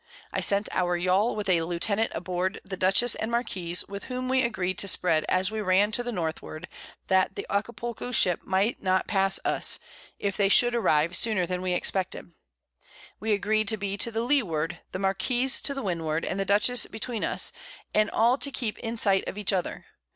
I sent our Yawl with a Lieutenant aboard the Dutchess and Marquiss, with whom we agreed to spread as we ran to the Northward, that the Acapulco Ship might not pass us, if they should arrive sooner than we expected: We agreed to be to the Leeward, the Marquiss to Windward, and the Dutchess between us, and all to keep in sight of each other.